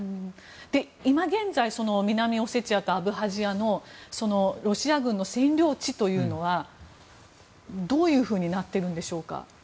今現在、南オセチアとアブハジアのロシア軍の占領地というのはどういうふうになっているんでしょうか。